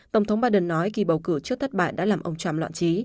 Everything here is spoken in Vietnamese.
tổng thống biden nói kỳ bầu cử trước thất bại đã làm ông trump loạn trí